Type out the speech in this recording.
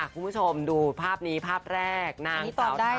คุณผู้ชมดูภาพนี้ภาพแรกนางสาวไทย